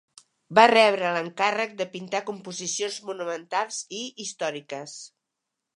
Va rebre l'encàrrec de pintar composicions monumentals i històriques.